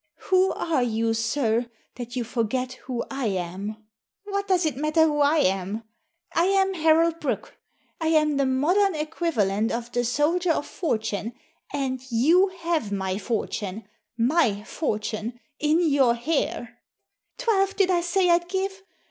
Who are you, sir, that you forget who I am ?"" What does it matter who I am ? I am Harold Brooke. I am the modem equivalent of the soldier Digitized by VjOOQIC THE DIAMONDS 215 of fortune, and you have my fortune — my fortune — in your hair ! Twelve did I say I'd give